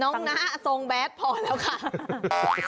น้าน้าโซงแบ๊ดพอแล้วค่ะ